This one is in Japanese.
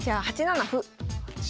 ８七歩？